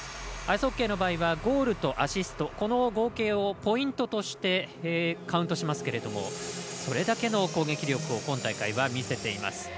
アイスホッケーの場合はゴールとアシストの合計をポイントとしてカウントしますけれどもそれだけの攻撃力を今大会は見せています。